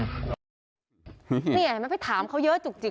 นี่เห็นไหมไปถามเขาเยอะจุกจิก